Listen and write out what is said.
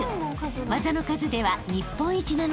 ［技の数では日本一なのです］